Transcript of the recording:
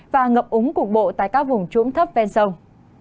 và ngập úng cục bộ tại các vùng trũng thấp ven sông